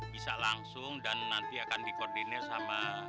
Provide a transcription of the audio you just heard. bisa langsung dan nanti akan dikoordinir sama